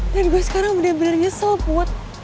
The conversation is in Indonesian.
dan gue sekarang bener bener nyesel put